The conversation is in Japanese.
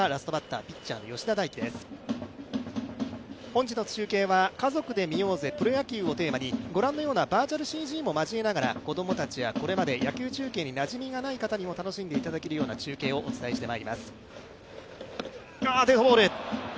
本日の中継は「家族で観ようぜ、プロ野球」をテーマに御覧のようなバーチャルＣＧも交えながら、子供たちや野球中継になじみがない方にも楽しんでいただけるような中継をお伝えしていきます。